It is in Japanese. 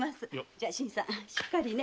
じゃ新さんしっかりね。